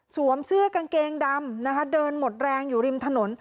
เสื้อกางเกงดำนะคะเดินหมดแรงอยู่ริมถนน